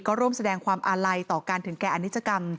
ก็ร่วมแสดงความอาลัยต่อการถึงแก่อนิจกรรม